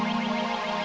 kenapa juga aku